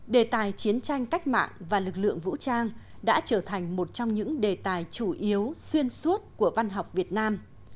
đề tài chiến tranh cách mạng và lực lượng vũ trang đã trở thành một trong những đề tài chủ yếu xuyên suốt của văn học việt nam